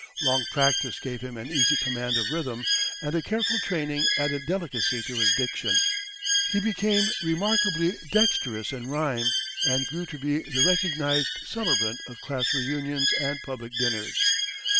Long practice gave him an easy command of rhythm, and a careful training added delicacy to his diction. He became remarkably dexterous in rhyme, and grew to be the recognized celebrant of class reunions and public dinners.